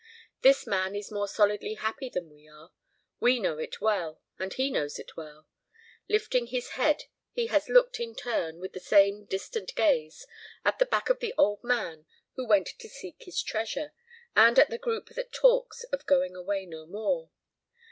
This man is more solidly happy than we are. We know it well, and he knows it well. Lifting his head he has looked in turn, with the same distant gaze, at the back of the old man who went to seek his treasure, and at the group that talks of going away no more.